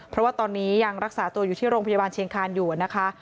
เพราะว่าตอนนี้ยังรักษาตัวอยู่ที่โรงพยาบาลเชียงคานอยู่นะคะ